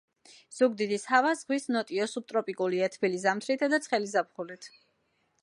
ზუგდიდის ჰავა ზღვის ნოტიო სუბტროპიკულია, თბილი ზამთრითა და ცხელი ზაფხულით.